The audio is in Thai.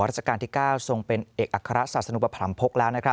ราชการที่๙ทรงเป็นเอกอัครศาสนุปรำพกแล้ว